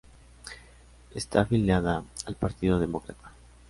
Está afiliada al Partido Demócrata.